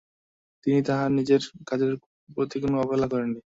তিনি তাহার নিজের কাজের প্রতি কোন অবহেলা করেন নি।